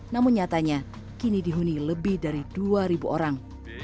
namun nyatanya kini dihuni lebih dari dua orang